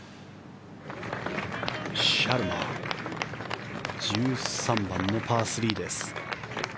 シャルマ１３番のパー３です。